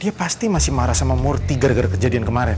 dia pasti masih marah sama murti gara gara kejadian kemarin